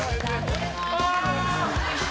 「ああ！」